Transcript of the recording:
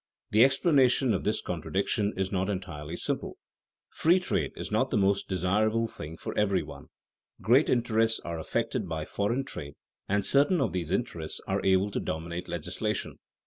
The explanation of this contradiction is not entirely simple. Free trade is not the most desirable thing for every one. Great interests are affected by foreign trade and certain of these interests are able to dominate legislation.